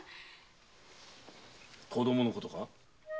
子供のことか？